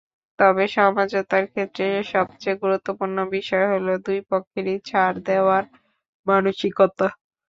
তবে সমঝোতার ক্ষেত্রে সবচেয়ে গুরুত্বপূর্ণ বিষয় হলো দুই পক্ষেরই ছাড় দেওয়ার মানসিকতা।